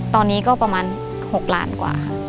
ตอนนี้ก็ประมาณ๖ล้านกว่าค่ะ